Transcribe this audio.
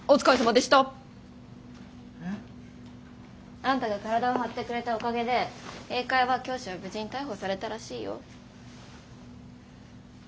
あんたが体を張ってくれたおかげで英会話教師は無事に逮捕されたらしいよ。